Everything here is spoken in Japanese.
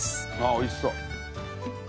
おいしそう！